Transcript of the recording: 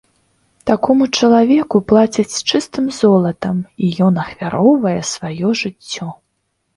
Такому чалавеку плацяць чыстым золатам, і ён ахвяроўвае сваё жыццё.